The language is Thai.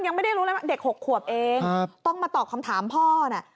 ยังไม่ได้รู้อะไรเด็กหกขวบเองครับต้องมาตอบคำถามพ่อน่ะ